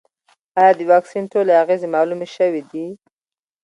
ایا د واکسین ټولې اغېزې معلومې شوې دي؟